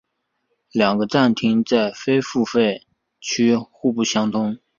两个站厅在非付费区互不相通。